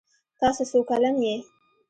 تاسو څو کلن یې؟